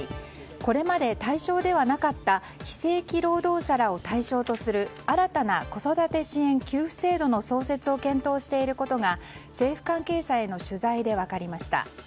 これまで対象ではなかった非正規労働者らを対象とする新たな子育て支援給付制度の創設を検討していることが政府関係者への取材で分かりました。